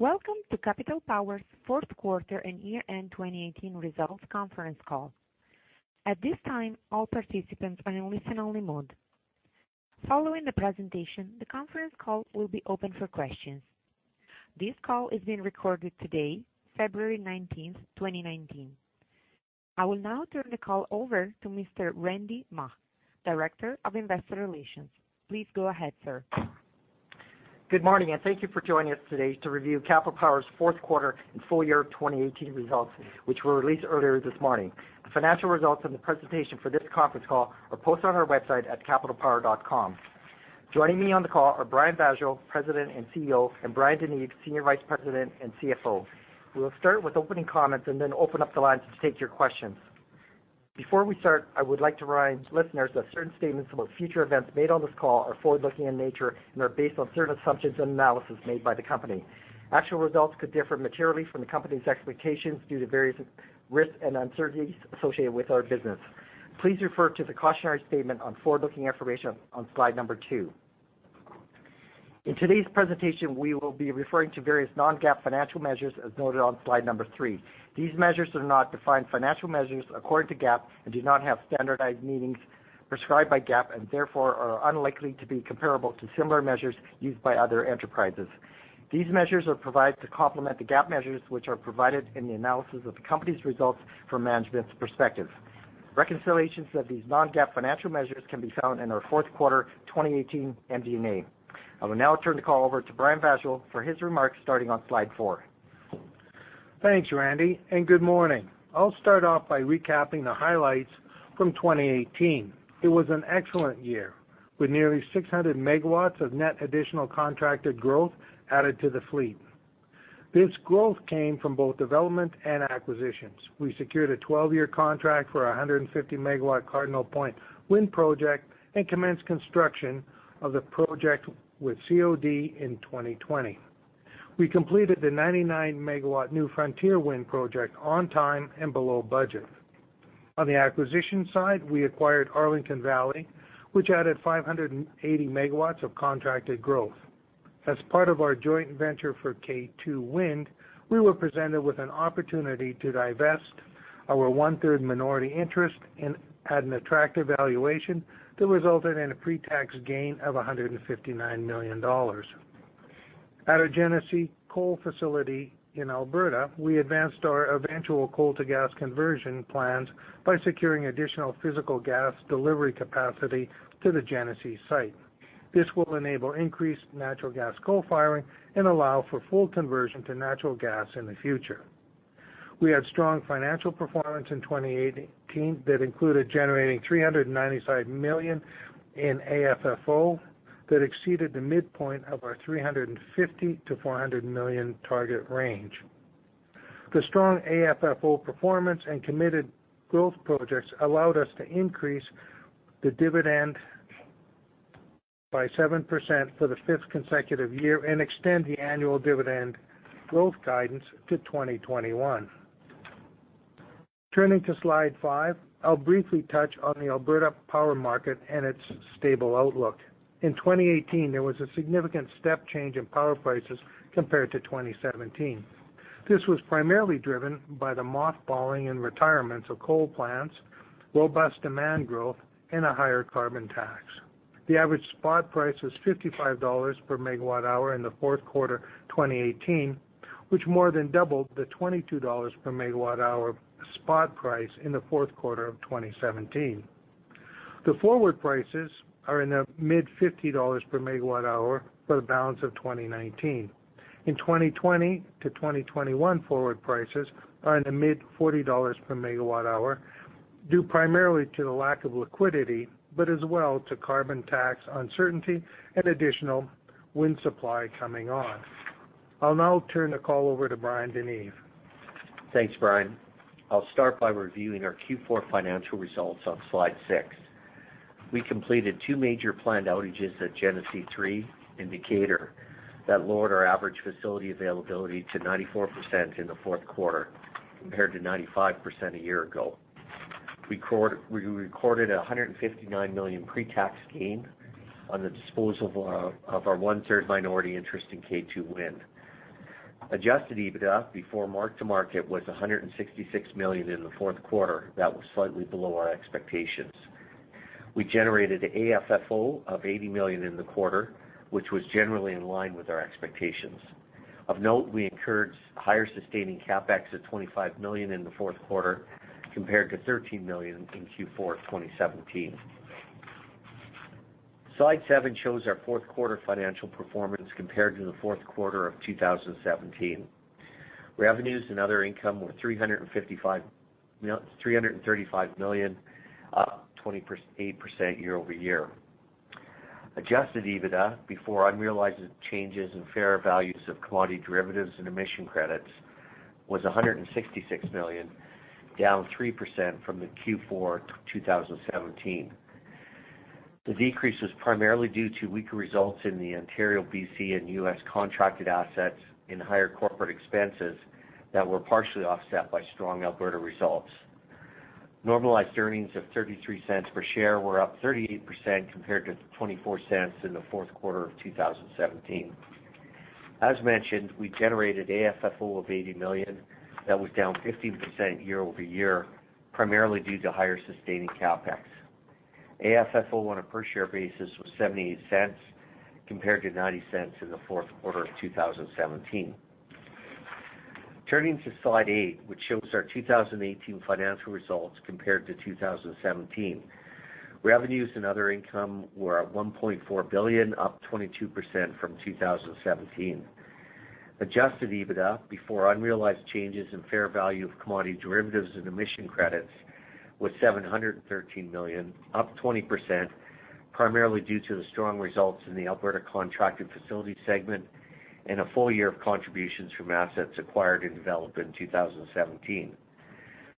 Welcome to Capital Power's fourth quarter and year-end 2018 results conference call. At this time, all participants are in listen-only mode. Following the presentation, the conference call will be open for questions. This call is being recorded today, February 19th, 2019. I will now turn the call over to Mr. Randy Mah, Director of Investor Relations. Please go ahead, sir. Good morning. Thank you for joining us today to review Capital Power's fourth quarter and full year of 2018 results, which were released earlier this morning. The financial results and the presentation for this conference call are posted on our website at capitalpower.com. Joining me on the call are Brian Vaasjo, President and CEO, and Bryan DeNeve, Senior Vice President and CFO. We will start with opening comments. Then open up the lines to take your questions. Before we start, I would like to remind listeners that certain statements about future events made on this call are forward-looking in nature and are based on certain assumptions and analysis made by the company. Actual results could differ materially from the company's expectations due to various risks and uncertainties associated with our business. Please refer to the cautionary statement on forward-looking information on slide number two. In today's presentation, we will be referring to various non-GAAP financial measures, as noted on slide number three. These measures are not defined financial measures according to GAAP and do not have standardized meanings prescribed by GAAP and therefore are unlikely to be comparable to similar measures used by other enterprises. These measures are provided to complement the GAAP measures, which are provided in the analysis of the company's results from management's perspective. Reconciliations of these non-GAAP financial measures can be found in our fourth quarter 2018 MD&A. I will now turn the call over to Brian Vaasjo for his remarks, starting on slide four. Thanks, Randy. Good morning. I'll start off by recapping the highlights from 2018. It was an excellent year, with nearly 600 megawatts of net additional contracted growth added to the fleet. This growth came from both development and acquisitions. We secured a 12-year contract for 150-megawatt Cardinal Point wind project and commenced construction of the project with COD in 2020. We completed the 99-megawatt New Frontier Wind project on time and below budget. On the acquisition side, we acquired Arlington Valley, which added 580 megawatts of contracted growth. As part of our joint venture for K2 Wind, we were presented with an opportunity to divest our one-third minority interest at an attractive valuation that resulted in a pre-tax gain of 159 million dollars. At our Genesee coal facility in Alberta, we advanced our eventual coal-to-gas conversion plans by securing additional physical gas delivery capacity to the Genesee site. This will enable increased natural gas co-firing and allow for full conversion to natural gas in the future. We had strong financial performance in 2018 that included generating 395 million in AFFO that exceeded the midpoint of our 350 million-400 million target range. The strong AFFO performance and committed growth projects allowed us to increase the dividend by 7% for the fifth consecutive year and extend the annual dividend growth guidance to 2021. Turning to slide five, I'll briefly touch on the Alberta power market and its stable outlook. In 2018, there was a significant step change in power prices compared to 2017. This was primarily driven by the mothballing and retirements of coal plants, robust demand growth, and a higher carbon tax. The average spot price was 55 dollars per megawatt hour in the fourth quarter of 2018, which more than doubled the 22 dollars per megawatt hour spot price in the fourth quarter of 2017. The forward prices are in the mid-CAD 50 per megawatt hour for the balance of 2019. In 2020 to 2021, forward prices are in the mid-CAD 40 per megawatt hour, due primarily to the lack of liquidity, but as well to carbon tax uncertainty and additional wind supply coming on. I'll now turn the call over to Bryan DeNeve. Thanks, Brian. I'll start by reviewing our Q4 financial results on slide six. We completed two major planned outages at Genesee 3 in Decatur that lowered our average facility availability to 94% in the fourth quarter, compared to 95% a year ago. We recorded 159 million pre-tax gain on the disposal of our one-third minority interest in K2 Wind. Adjusted EBITDA before mark-to-market was 166 million in the fourth quarter. That was slightly below our expectations. We generated AFFO of 80 million in the quarter, which was generally in line with our expectations. Of note, we incurred higher sustaining CapEx of 25 million in the fourth quarter, compared to 13 million in Q4 2017. Slide seven shows our fourth quarter financial performance compared to the fourth quarter of 2017. Revenues and other income were 335 million, up 28% year-over-year. Adjusted EBITDA, before unrealized changes in fair values of commodity derivatives and emission credits, was 166 million, down 3% from Q4 2017. The decrease was primarily due to weaker results in the Ontario, B.C., and U.S. contracted assets and higher corporate expenses that were partially offset by strong Alberta results. Normalized earnings of 0.33 per share were up 38% compared to 0.24 in the fourth quarter of 2017. As mentioned, we generated AFFO of 80 million. That was down 15% year-over-year, primarily due to higher sustaining CapEx. AFFO on a per share basis was 0.78 compared to 0.90 in the fourth quarter of 2017. Turning to slide eight, which shows our 2018 financial results compared to 2017. Revenues and other income were at 1.4 billion, up 22% from 2017. Adjusted EBITDA before unrealized changes in fair value of commodity derivatives and emission credits was 713 million, up 20%, primarily due to the strong results in the Alberta contracted facility segment and a full year of contributions from assets acquired and developed in 2017.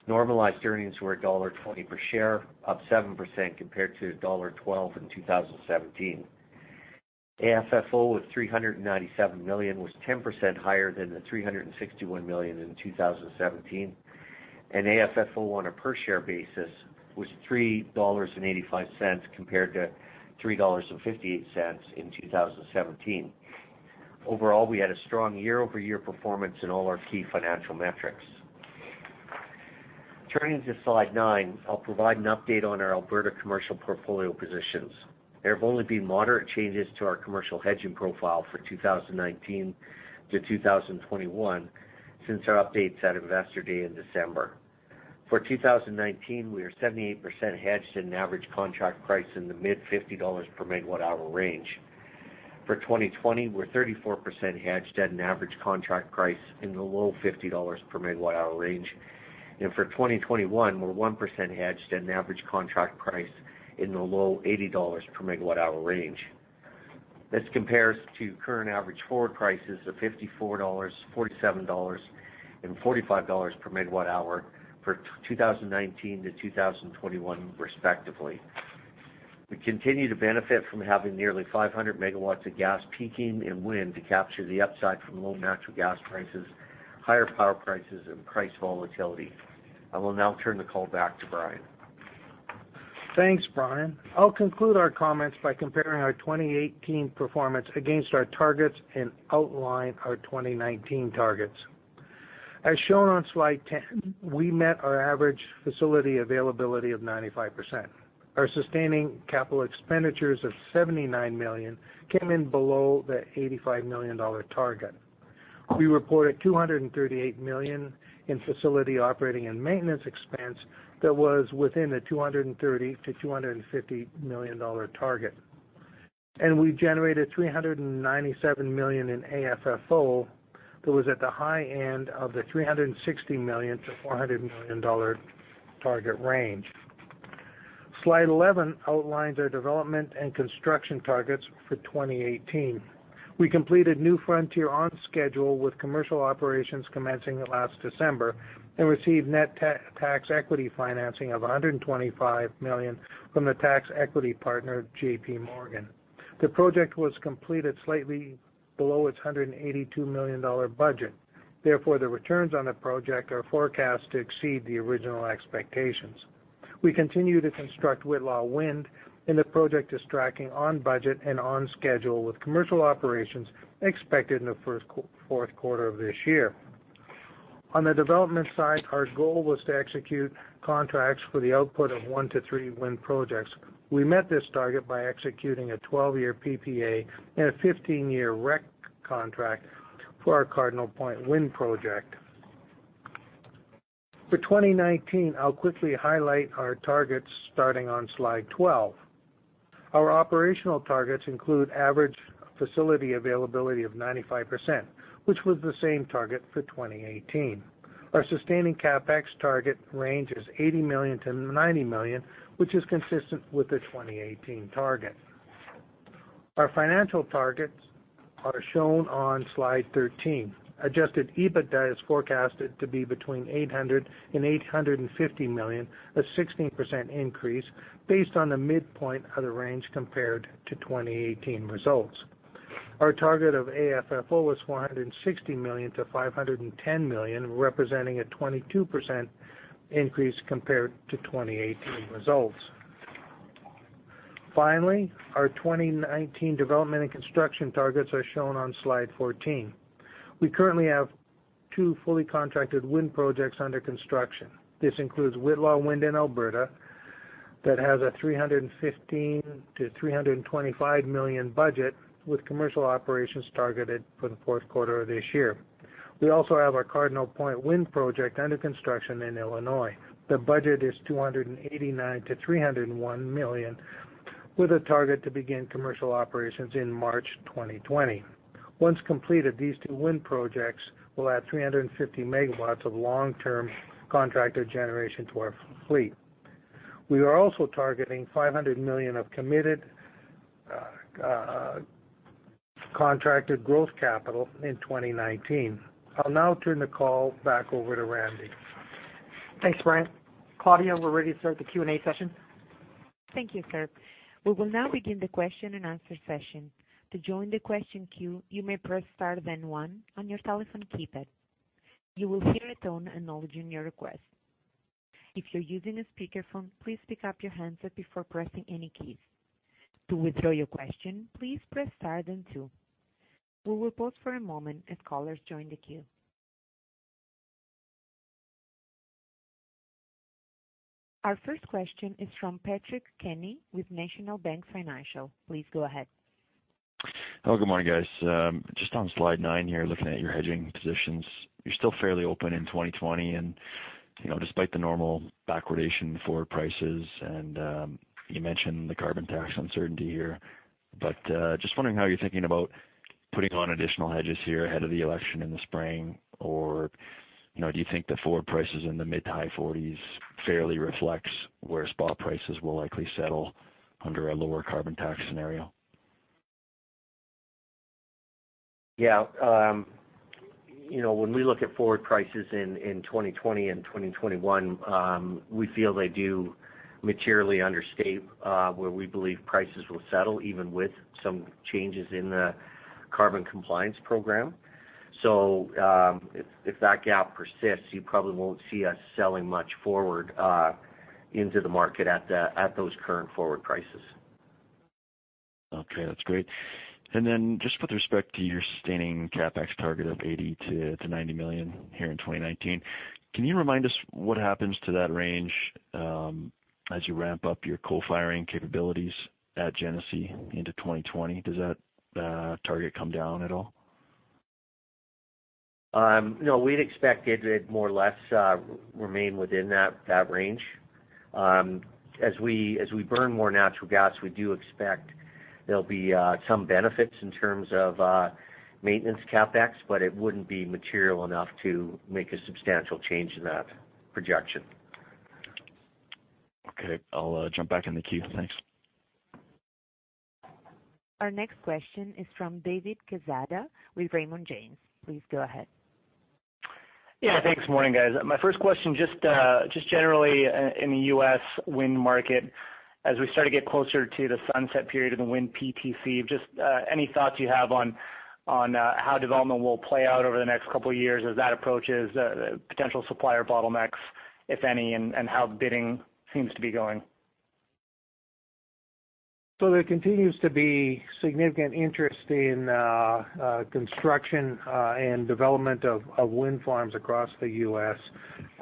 Normalized earnings were dollar 1.20 per share, up 7% compared to dollar 1.12 in 2017. AFFO was 397 million, was 10% higher than the 361 million in 2017, and AFFO on a per share basis was 3.85 dollars compared to 3.58 dollars in 2017. Overall, we had a strong year-over-year performance in all our key financial metrics. Turning to slide nine, I'll provide an update on our Alberta commercial portfolio positions. There have only been moderate changes to our commercial hedging profile for 2019-2021 since our updates at Investor Day in December. For 2019, we are 78% hedged at an average contract price in the mid-CAD 50 per megawatt hour range. For 2020, we're 34% hedged at an average contract price in the low 50 dollars per megawatt hour range. For 2021, we're 1% hedged at an average contract price in the low 80 dollars per megawatt hour range. This compares to current average forward prices of 54 dollars, 47 dollars, and 45 dollars per megawatt hour for 2019-2021, respectively. We continue to benefit from having nearly 500 MW of gas peaking and wind to capture the upside from low natural gas prices, higher power prices, and price volatility. I will now turn the call back to Brian. Thanks, Brian. I'll conclude our comments by comparing our 2018 performance against our targets and outline our 2019 targets. As shown on slide 10, we met our average facility availability of 95%. Our sustaining capital expenditures of 79 million came in below the 85 million dollar target. We reported 238 million in facility operating and maintenance expense that was within the 230 million-250 million dollar target. We generated 397 million in AFFO that was at the high end of the 360 million-400 million dollar target range. Slide 11 outlines our development and construction targets for 2018. We completed New Frontier on schedule with commercial operations commencing last December and received net tax equity financing of 125 million from the tax equity partner, JPMorgan. The project was completed slightly below its 182 million dollar budget. Therefore, the returns on the project are forecast to exceed the original expectations. We continue to construct Whitla Wind, the project is tracking on budget and on schedule with commercial operations expected in the first fourth quarter of this year. On the development side, our goal was to execute contracts for the output of 1-3 wind projects. We met this target by executing a 12-year PPA and a 15-year REC contract for our Cardinal Point Wind project. For 2019, I'll quickly highlight our targets starting on slide 12. Our operational targets include average facility availability of 95%, which was the same target for 2018. Our sustaining CapEx target range is 80 million-90 million, which is consistent with the 2018 target. Our financial targets are shown on slide 13. Adjusted EBITDA is forecasted to be between 800 million and 850 million, a 16% increase based on the midpoint of the range compared to 2018 results. Our target of AFFO was 460 million-510 million, representing a 22% increase compared to 2018 results. Our 2019 development and construction targets are shown on slide nine. We currently have two fully contracted wind projects under construction. This includes Whitla Wind in Alberta that has a 315 million-325 million budget, with commercial operations targeted for the fourth quarter of this year. We also have our Cardinal Point Wind project under construction in Illinois. The budget is 289 million-301 million, with a target to begin commercial operations in March 2020. Once completed, these two wind projects will add 350 megawatts of long-term contracted generation to our fleet. We are also targeting 500 million of committed contracted growth capital in 2019. I will now turn the call back over to Randy. Thanks, Brian. Claudia, we are ready to start the Q&A session. Thank you, sir. We will now begin the question and answer session. To join the question queue, you may press star then one on your telephone keypad. You will hear a tone acknowledging your request. If you are using a speakerphone, please pick up your handset before pressing any keys. To withdraw your question, please press star then two. We will pause for a moment as callers join the queue. Our first question is from Patrick Kenny with National Bank Financial. Please go ahead. Hello, good morning, guys. On slide nine here, looking at your hedging positions. You are still fairly open in 2020 despite the normal backwardation forward prices, you mentioned the carbon tax uncertainty here. Just wondering how you are thinking about putting on additional hedges here ahead of the election in the spring, or do you think the forward prices in the mid-high 40s fairly reflects where spot prices will likely settle under a lower carbon tax scenario? When we look at forward prices in 2020 and 2021, we feel they do materially understate where we believe prices will settle, even with some changes in the carbon compliance program. If that gap persists, you probably won't see us selling much forward into the market at those current forward prices. Okay, that's great. Just with respect to your sustaining CapEx target of 80 million-90 million here in 2019, can you remind us what happens to that range, as you ramp up your coal-firing capabilities at Genesee into 2020? Does that target come down at all? No, we'd expect it more or less remain within that range. As we burn more natural gas, we do expect there'll be some benefits in terms of maintenance CapEx, but it wouldn't be material enough to make a substantial change in that projection. Okay. I'll jump back in the queue. Thanks. Our next question is from David Quezada with Raymond James. Please go ahead. Yeah. Thanks. Morning, guys. My first question, just generally, in the U.S. wind market, as we start to get closer to the sunset period of the wind PTC, just any thoughts you have on how development will play out over the next couple of years as that approaches potential supplier bottlenecks, if any, and how bidding seems to be going? There continues to be significant interest in construction and development of wind farms across the U.S.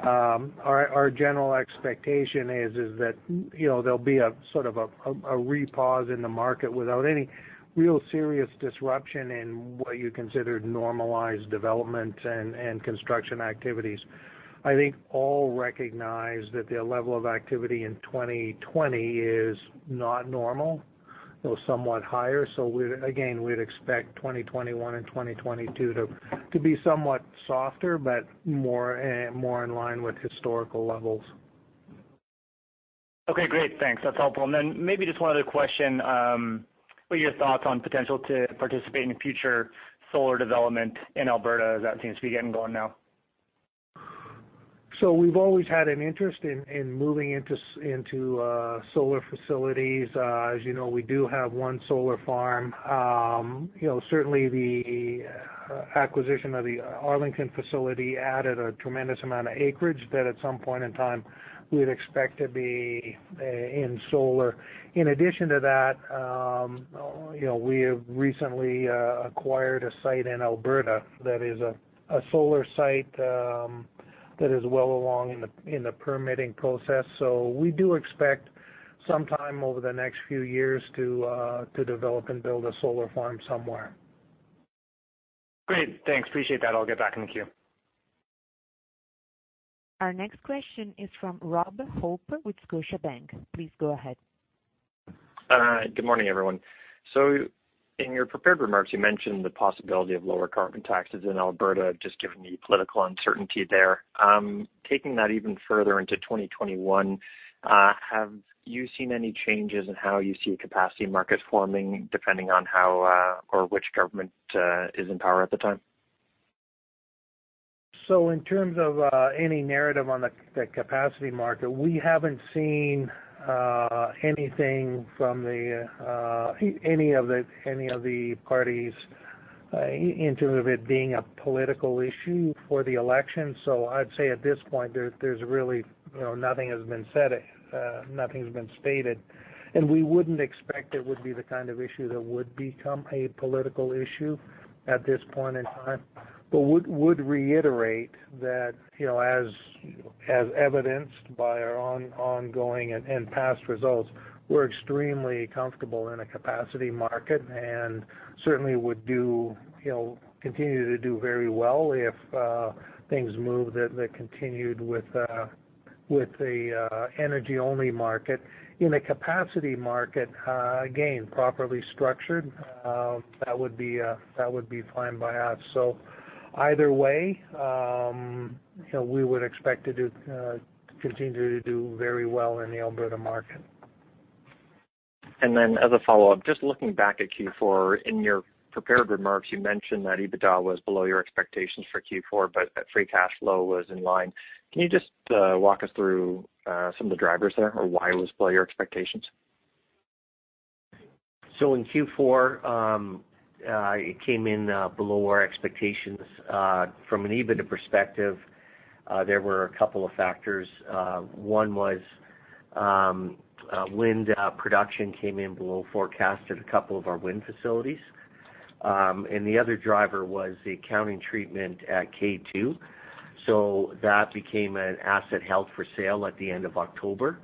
Our general expectation is that there will be a sort of a re-pause in the market without any real serious disruption in what you consider normalized development and construction activities. I think all recognize that the level of activity in 2020 is not normal, though somewhat higher. Again, we would expect 2021 and 2022 to be somewhat softer, but more in line with historical levels. Okay, great. Thanks. That is helpful. Then maybe just one other question. What are your thoughts on potential to participate in future solar development in Alberta, as that seems to be getting going now? We've always had an interest in moving into solar facilities. As you know, we do have one solar farm. Certainly, the acquisition of the Arlington facility added a tremendous amount of acreage that at some point in time we would expect to be in solar. In addition to that, we have recently acquired a site in Alberta that is a solar site, that is well along in the permitting process. We do expect sometime over the next few years to develop and build a solar farm somewhere. Great, thanks. Appreciate that. I'll get back in the queue. Our next question is from Robert Hope with Scotiabank. Please go ahead. Good morning, everyone. In your prepared remarks, you mentioned the possibility of lower carbon taxes in Alberta, just given the political uncertainty there. Taking that even further into 2021, have you seen any changes in how you see capacity markets forming depending on how or which government is in power at the time? In terms of any narrative on the capacity market, we haven't seen anything from any of the parties in terms of it being a political issue for the election. I'd say at this point, nothing has been said, nothing's been stated. We wouldn't expect it would be the kind of issue that would become a political issue at this point in time. Would reiterate that as evidenced by our ongoing and past results, we're extremely comfortable in a capacity market and certainly would continue to do very well if things move that continued with the energy-only market. In a capacity market, again, properly structured, that would be fine by us. Either way, we would expect to continue to do very well in the Alberta market. As a follow-up, just looking back at Q4, in your prepared remarks, you mentioned that EBITDA was below your expectations for Q4, but that free cash flow was in line. Can you just walk us through some of the drivers there, or why it was below your expectations? In Q4, it came in below our expectations. From an EBITDA perspective, there were a couple of factors. One was wind production came in below forecast at a couple of our wind facilities. The other driver was the accounting treatment at K2. That became an asset held for sale at the end of October.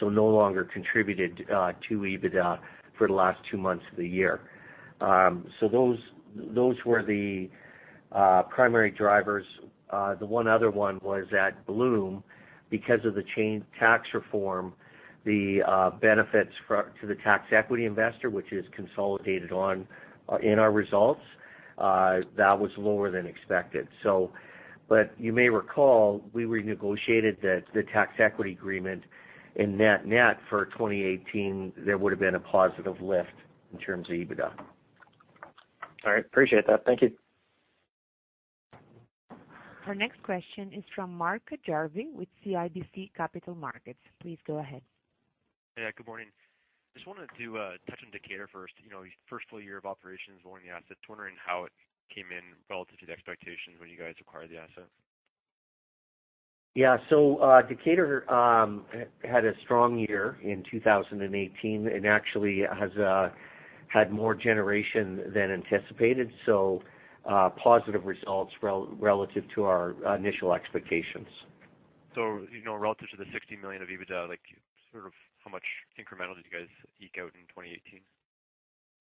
No longer contributed to EBITDA for the last two months of the year. Those were the primary drivers. The one other one was at Bloom. Because of the change tax reform, the benefits to the tax equity investor, which is consolidated in our results, that was lower than expected. You may recall, we renegotiated the tax equity agreement in net net for 2018. There would've been a positive lift in terms of EBITDA. All right. Appreciate that. Thank you. Our next question is from Mark Jarvi with CIBC Capital Markets. Please go ahead. Yeah, good morning. Just wanted to touch on Decatur first. First full year of operations owning the asset. Just wondering how it came in relative to the expectations when you guys acquired the asset. Yeah. Decatur had a strong year in 2018, and actually has had more generation than anticipated. Positive results relative to our initial expectations. Relative to the 60 million of EBITDA, how much incremental did you guys eke out in 2018?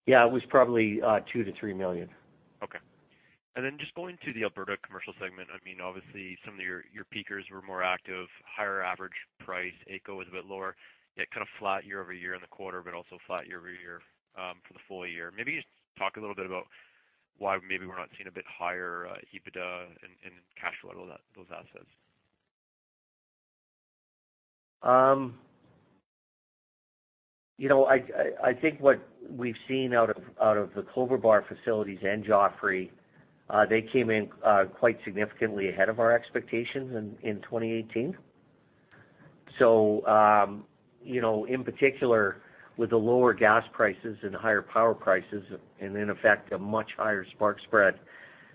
Yeah, it was probably 2 million-3 million. Okay. Then just going to the Alberta Commercial Segment, obviously, some of your peakers were more active, higher average price, AECO was a bit lower, yet kind of flat year-over-year in the quarter, but also flat year-over-year, for the full year. Maybe just talk a little bit about why maybe we're not seeing a bit higher EBITDA and cash flow out of those assets. I think what we've seen out of the Clover Bar facilities and Joffre, they came in quite significantly ahead of our expectations in 2018. In particular, with the lower gas prices and higher power prices, and in effect, a much higher spark spread,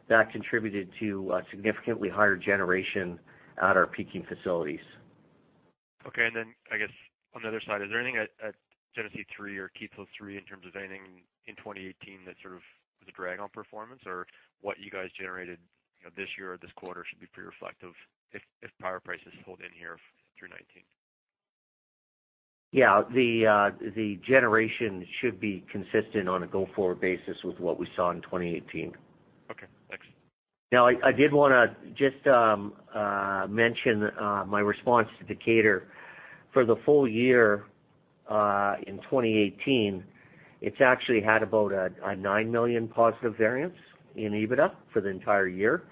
that contributed to a significantly higher generation at our peaking facilities. Okay. Then, I guess on the other side, is there anything at Genesee 3 or Keephills 3 in terms of anything in 2018 that sort of was a drag on performance? What you guys generated this year or this quarter should be pretty reflective if power prices hold in here through 2019? Yeah. The generation should be consistent on a go-forward basis with what we saw in 2018. Okay, thanks. I did want to just mention my response to Decatur. For the full year in 2018, it's actually had about a 9 million positive variance in EBITDA for the entire year.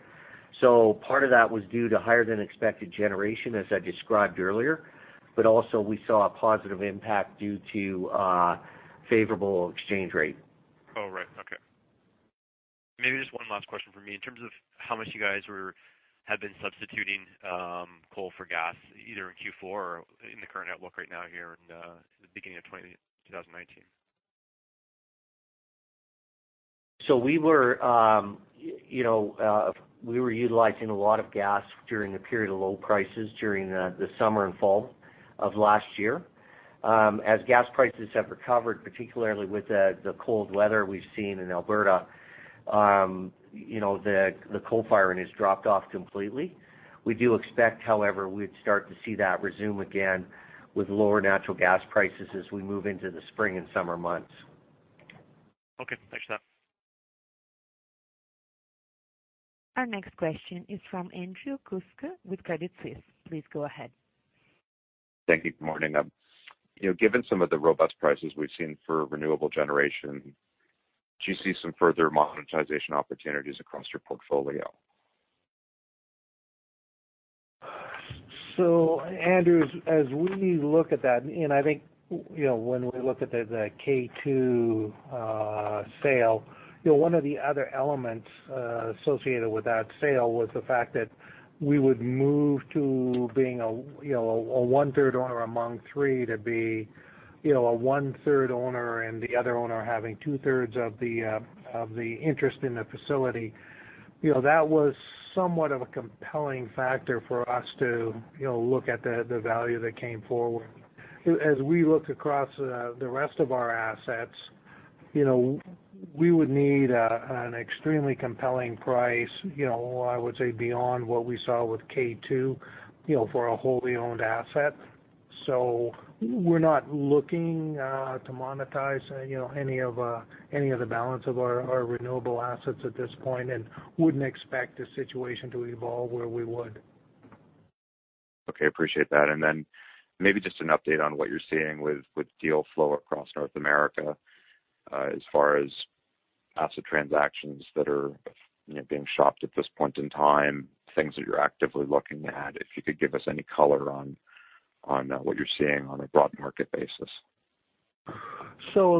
Part of that was due to higher-than-expected generation, as I described earlier. Also we saw a positive impact due to a favorable exchange rate. Oh, right. Okay. Maybe just one last question from me. In terms of how much you guys have been substituting coal for gas, either in Q4 or in the current outlook right now here in the beginning of 2019. We were utilizing a lot of gas during the period of low prices during the summer and fall of last year. As gas prices have recovered, particularly with the cold weather we've seen in Alberta, the coal-firing has dropped off completely. We do expect, however, we'd start to see that resume again with lower natural gas prices as we move into the spring and summer months. Okay, thanks for that. Our next question is from Andrew Kuske with Credit Suisse. Please go ahead. Thank you. Good morning. Given some of the robust prices we've seen for renewable generation, do you see some further monetization opportunities across your portfolio? Andrew, as we look at that, and I think when we look at the K2 sale, one of the other elements associated with that sale was the fact that we would move to being a one-third owner among three to be a one-third owner and the other owner having two-thirds of the interest in the facility. That was somewhat of a compelling factor for us to look at the value that came forward. As we look across the rest of our assets, we would need an extremely compelling price, I would say, beyond what we saw with K2, for a wholly-owned asset. We're not looking to monetize any of the balance of our renewable assets at this point, and wouldn't expect the situation to evolve where we would. Okay, appreciate that. Then maybe just an update on what you're seeing with deal flow across North America, as far as asset transactions that are being shopped at this point in time, things that you're actively looking at, if you could give us any color on what you're seeing on a broad market basis.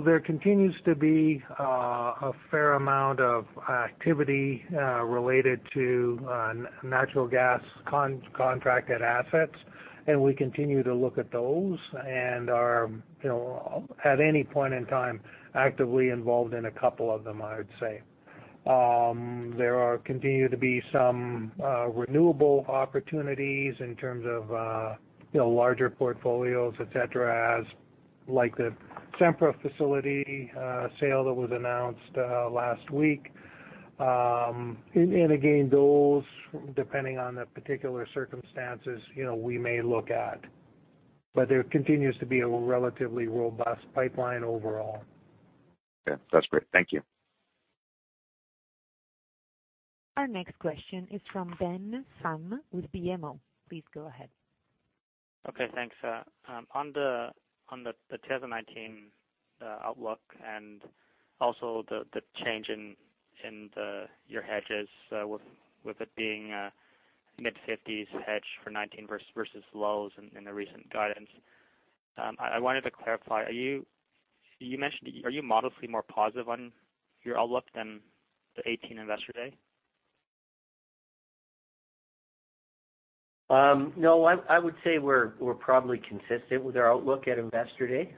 There continues to be a fair amount of activity related to natural gas contracted assets, and we continue to look at those and are, at any point in time, actively involved in a couple of them, I would say. There continue to be some renewable opportunities in terms of larger portfolios, et cetera, like the Sempra facility sale that was announced last week. Again, those, depending on the particular circumstances, we may look at. There continues to be a relatively robust pipeline overall. Okay. That's great. Thank you. Our next question is from Ben Pham with BMO. Please go ahead. Okay, thanks. On the 2019 outlook and also the change in your hedges, with it being mid-50s hedge for 2019 versus lows in the recent guidance. I wanted to clarify, are you modestly more positive on your outlook than the 2018 Investor Day? No, I would say we're probably consistent with our outlook at Investor Day.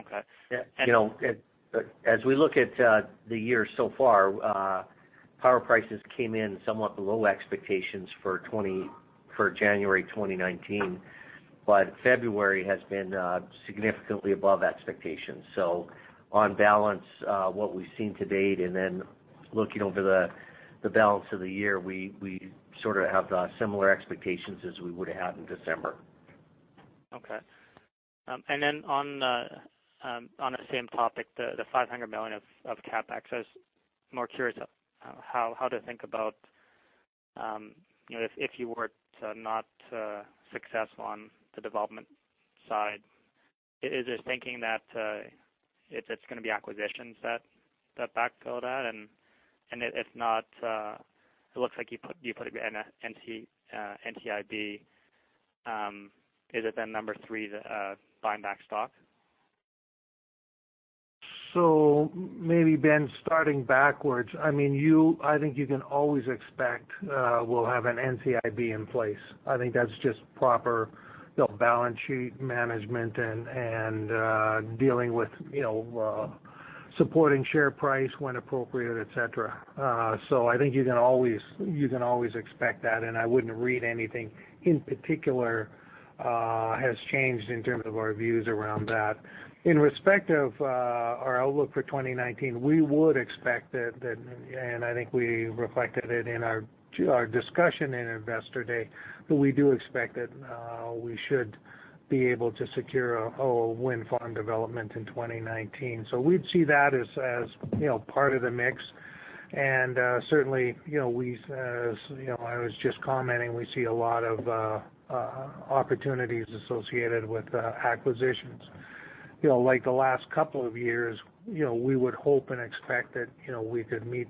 Okay. As we look at the year so far, power prices came in somewhat below expectations for January 2019. February has been significantly above expectations. On balance, what we've seen to date, and then looking over the balance of the year, we sort of have similar expectations as we would have had in December. Okay. Then on the same topic, the 500 million of CapEx. I was more curious how to think about, if you were to not successful on the development side. Is this thinking that it's going to be acquisitions that backfill that? If not, it looks like you put it in NCIB. Is it then number 3, the buy back stock? Maybe Ben, starting backwards. I think you can always expect we'll have an NCIB in place. I think that's just proper balance sheet management and dealing with supporting share price when appropriate, et cetera. I think you can always expect that, and I wouldn't read anything in particular has changed in terms of our views around that. In respect of our outlook for 2019, we would expect that, and I think we reflected it in our discussion in Investor Day, but we do expect that we should be able to secure a whole wind farm development in 2019. We'd see that as part of the mix. Certainly, I was just commenting, we see a lot of opportunities associated with acquisitions. Like the last couple of years, we would hope and expect that we could meet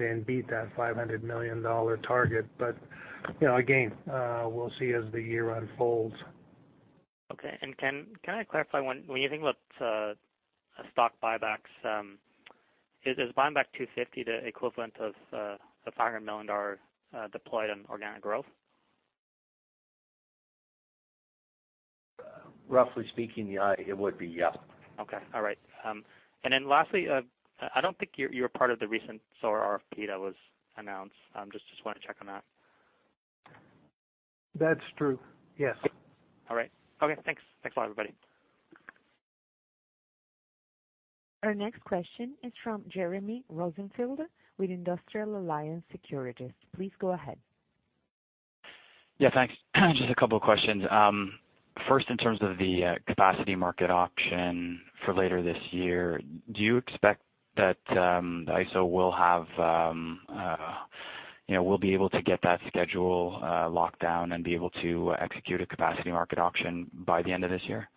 and beat that 500 million dollar target. Again, we'll see as the year unfolds. Okay. Can I clarify, when you think about stock buybacks, is buying back 250 the equivalent of the 500 million dollar deployed on organic growth? Roughly speaking, it would be, yeah. Okay. All right. Then lastly, I don't think you're part of the recent solar RFP that was announced. Just wanted to check on that. That's true. Yes. All right. Okay, thanks a lot, everybody. Our next question is from Jeremy Rosenfield with Industrial Alliance Securities. Please go ahead. Yeah, thanks. Just a couple of questions. First, in terms of the capacity market auction for later this year, do you expect that the ISO will be able to get that schedule locked down and be able to execute a capacity market auction by the end of this year?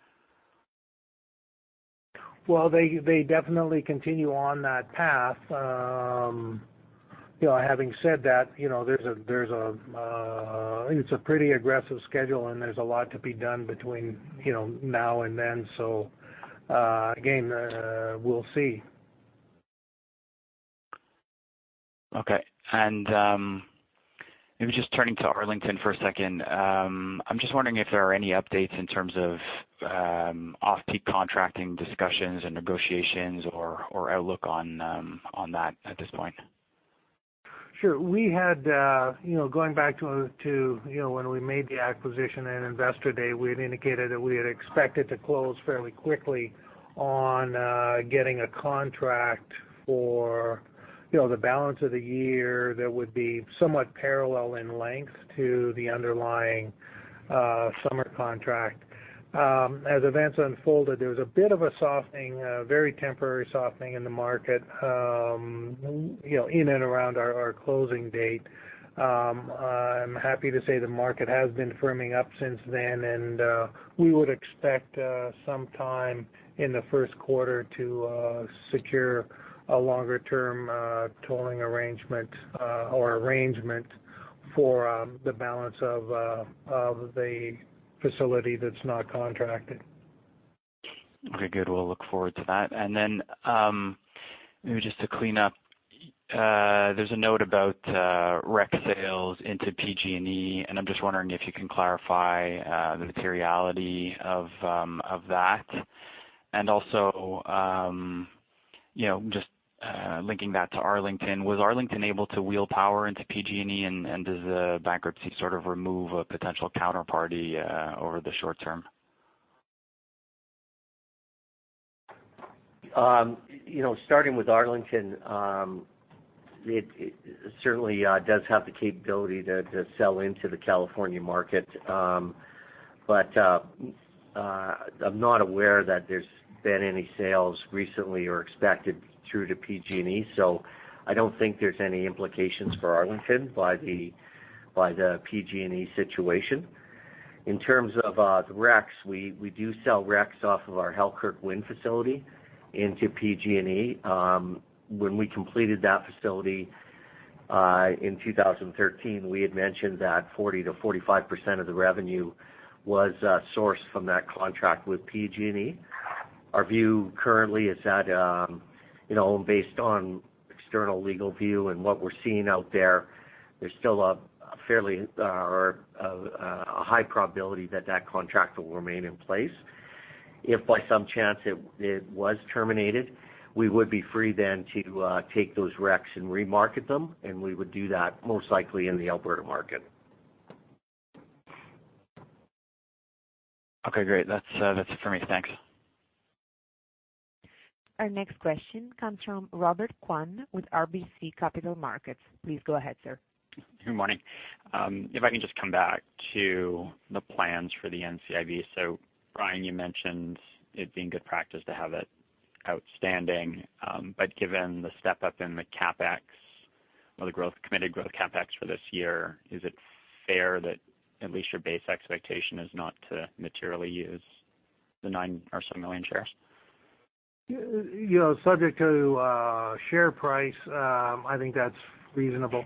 They definitely continue on that path. Having said that, it's a pretty aggressive schedule, and there's a lot to be done between now and then. Again, we'll see. Okay. Maybe just turning to Arlington for a second. I'm just wondering if there are any updates in terms of off-peak contracting discussions and negotiations or outlook on that at this point. Sure. Going back to when we made the acquisition at Investor Day, we had indicated that we had expected to close fairly quickly on getting a contract for the balance of the year that would be somewhat parallel in length to the underlying summer contract. As events unfolded, there was a bit of a softening, a very temporary softening in the market in and around our closing date. I'm happy to say the market has been firming up since then, and we would expect sometime in the first quarter to secure a longer-term tolling arrangement or arrangement for the balance of the facility that's not contracted. Okay, good. We'll look forward to that. Then, maybe just to clean up, there's a note about REC sales into PG&E, and I'm just wondering if you can clarify the materiality of that. Also, just linking that to Arlington, was Arlington able to wheel power into PG&E? Does the bankruptcy sort of remove a potential counterparty over the short term? Starting with Arlington, it certainly does have the capability to sell into the California market. I'm not aware that there's been any sales recently or expected through to PG&E. I don't think there's any implications for Arlington by the PG&E situation. In terms of the RECs, we do sell RECs off of our Halkirk Wind facility into PG&E. When we completed that facility in 2013, we had mentioned that 40%-45% of the revenue was sourced from that contract with PG&E. Our view currently is that, based on external legal view and what we're seeing out there's still a high probability that contract will remain in place. If by some chance it was terminated, we would be free then to take those RECs and remarket them, and we would do that most likely in the Alberta market. Okay, great. That's it for me. Thanks. Our next question comes from Robert Kwan with RBC Capital Markets. Please go ahead, sir. Good morning. If I can just come back to the plans for the NCIB. Brian, you mentioned it being good practice to have it outstanding. Given the step-up in the CapEx or the committed growth CapEx for this year, is it fair that at least your base expectation is not to materially use the nine or so million shares? Subject to share price, I think that's reasonable.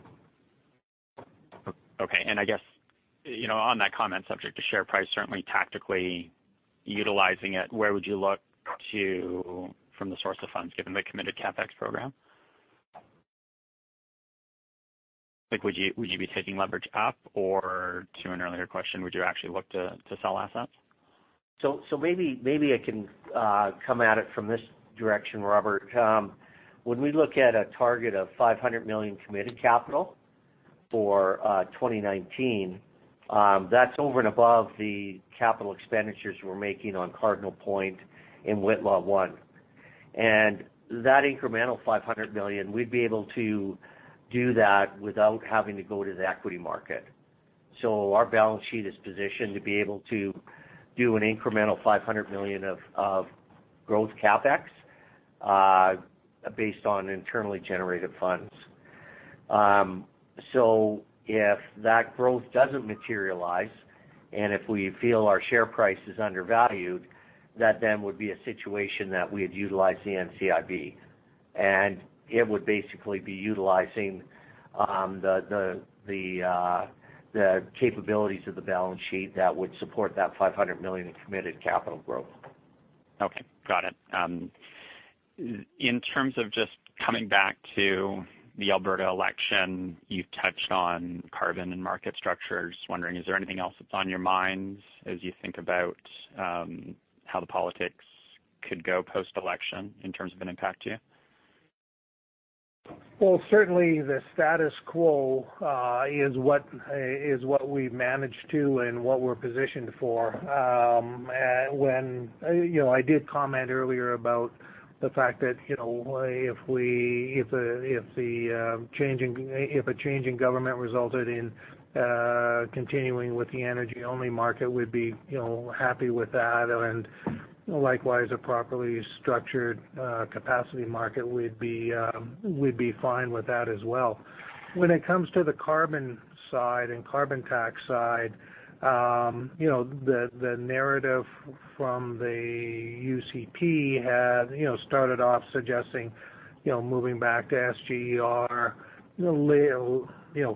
Okay. I guess, on that comment subject to share price, certainly tactically utilizing it, where would you look to from the source of funds given the committed CapEx program? Like, would you be taking leverage up? To an earlier question, would you actually look to sell assets? maybe I can come at it from this direction, Robert. When we look at a target of 500 million committed capital for 2019, that's over and above the capital expenditures we're making on Cardinal Point and Whitla Wind 1. That incremental 500 million, we'd be able to do that without having to go to the equity market. Our balance sheet is positioned to be able to do an incremental 500 million of growth CapEx based on internally generated funds. If that growth doesn't materialize, and if we feel our share price is undervalued, that then would be a situation that we had utilized the NCIB. It would basically be utilizing the capabilities of the balance sheet that would support that 500 million in committed capital growth. Okay. Got it. In terms of just coming back to the Alberta election, you've touched on carbon and market structures. Just wondering, is there anything else that's on your minds as you think about how the politics could go post-election in terms of an impact to you? Well, certainly the status quo is what we've managed to and what we're positioned for. I did comment earlier about the fact that, if a change in government resulted in continuing with the energy-only market, we'd be happy with that. Likewise, a properly structured capacity market, we'd be fine with that as well. When it comes to the carbon side and carbon tax side, the narrative from the UCP had started off suggesting moving back to SGER.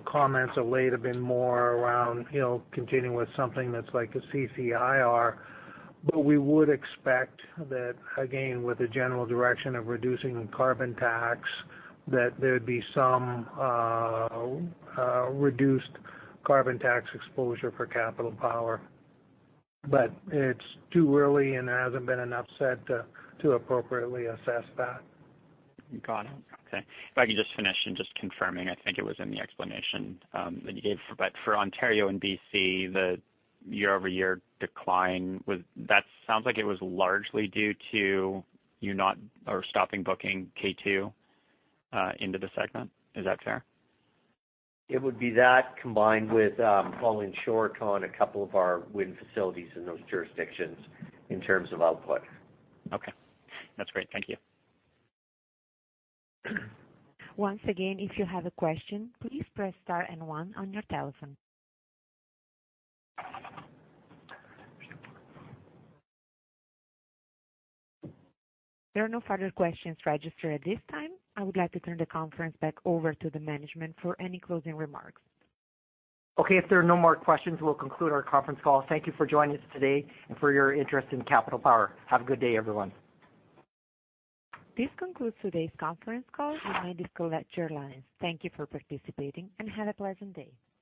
Comments of late have been more around continuing with something that's like a CCIR. We would expect that, again, with the general direction of reducing carbon tax, that there'd be some reduced carbon tax exposure for Capital Power. It's too early, and there hasn't been enough said to appropriately assess that. Got it. Okay. If I could just finish and just confirming, I think it was in the explanation that you gave, for Ontario and B.C., the year-over-year decline, that sounds like it was largely due to you not or stopping booking K2 into the segment. Is that fair? It would be that combined with falling short on a couple of our wind facilities in those jurisdictions in terms of output. Okay. That's great. Thank you. Once again, if you have a question, please press star and one on your telephone. There are no further questions registered at this time. I would like to turn the conference back over to the management for any closing remarks. Okay. If there are no more questions, we'll conclude our conference call. Thank you for joining us today and for your interest in Capital Power. Have a good day, everyone. This concludes today's conference call. You may disconnect your lines. Thank you for participating and have a pleasant day.